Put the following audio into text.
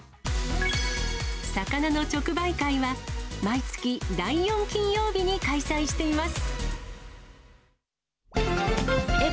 魚の直売会は、毎月第４金曜日に開催しています。